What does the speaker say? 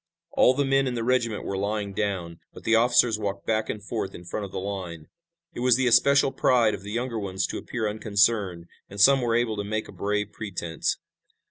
All the men in the regiment were lying down, but the officers walked back and forth in front of the line. It was the especial pride of the younger ones to appear unconcerned, and some were able to make a brave pretense.